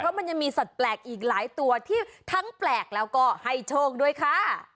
มันยังมีสัตว์แปลกอีกหลายตัวที่ทั้งแปลกแล้วก็ให้โชคด้วยค่ะ